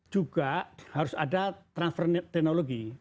juga harus ada transfer teknologi